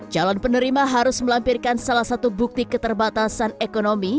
calon penerima harus melampirkan salah satu bukti keterbatasan ekonomi